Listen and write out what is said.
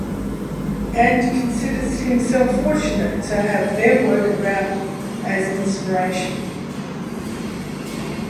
And considers himself fortunate to have their work around as inspiration.